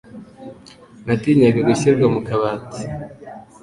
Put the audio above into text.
Natinyaga gushyirwa mu kabati.